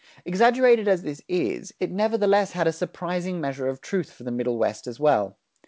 Exaggerated as this is, it nevertheless had a surprising measure of truth for the Middle West as well.